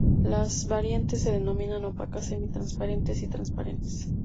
Las variantes se denominan opacas, semi-transparentes y transparentes.